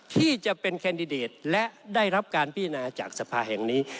ที่จะเป็นแคนดิเดตและได้รับการพิจารณาจากสภาแห่งนี้